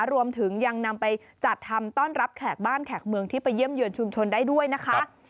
รวมถึงยังนำไปจัดทำต้อนรับแขกบ้านแขกเมืองที่ไปเยี่ยมเยือนชุมชนได้ด้วยนะคะ